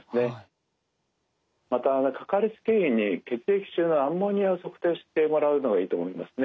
またかかりつけ医に血液中のアンモニアを測定してもらうのがいいと思いますね。